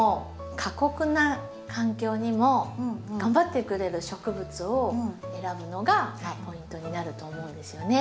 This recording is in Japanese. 過酷な環境にも頑張ってくれる植物を選ぶのがポイントになると思うんですよね。